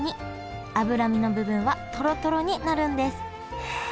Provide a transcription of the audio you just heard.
脂身の部分はトロトロになるんです。